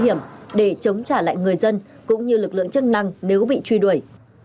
hiểm để chống trả lại người dân cũng như lực lượng chức năng nếu bị truy đuổi